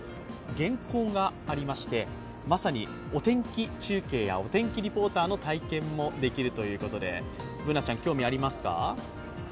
原稿がありまして、まさにお天気中継やお天気リポーターの体験もできるということで、Ｂｏｏｎａさん、興味ありますか？